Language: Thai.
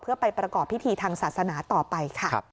เพื่อไปประกอบพิธีทางศาสนาต่อไปค่ะ